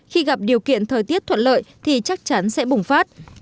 khi gặp điều kiện thời tiết thuận lợi thì chắc chắn sẽ bùng phát